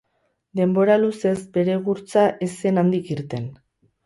Denbora luzez, bere gurtza ez zen handik irten.